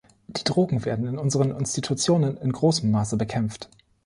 Die Drogen werden in unseren Institutionen in großem Maße bekämpft.